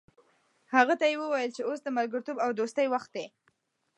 هغه ته یې وویل چې اوس د ملګرتوب او دوستۍ وخت دی.